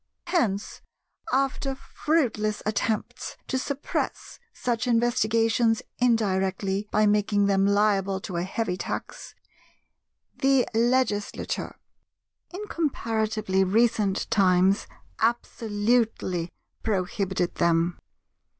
Hence, after fruitless attempts to suppress such investigations indirectly by making them liable to a heavy tax, the Legislature, in comparatively recent times, absolutely prohibited them.